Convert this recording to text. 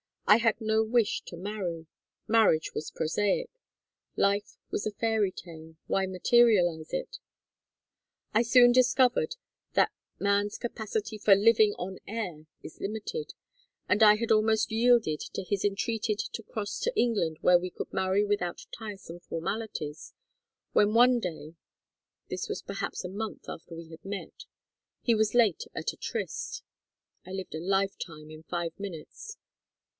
I had no wish to marry. Marriage was prosaic. Life was a fairy tale, why materialize it? I soon discovered that man's capacity for living on air is limited, and I had almost yielded to his entreaties to cross to England where we could marry without tiresome formalities, when one day this was perhaps a month after we had met he was late at a tryst. I lived a lifetime in five minutes.